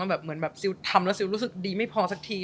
แบบเหมือนแบบซิลทำแล้วซิลรู้สึกดีไม่พอสักที